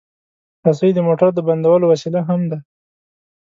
رسۍ د موټر د بندولو وسیله هم ده.